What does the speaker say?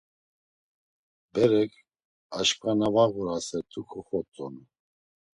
Berek, aşǩva na var ğurasert̆u koxvotzonu.